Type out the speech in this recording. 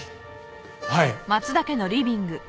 はい。